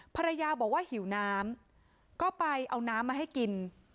ภรรยาบอกว่าหิวน้ำก็ไปเอาน้ำมาให้กิน